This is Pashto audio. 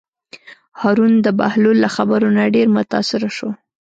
هارون د بهلول له خبرو نه ډېر متأثره شو.